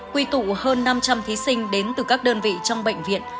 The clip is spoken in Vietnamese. quy tụ hơn năm trăm linh thí sinh đến từ các đơn vị trong bệnh viện